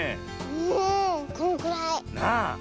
うんこのくらい。なあ。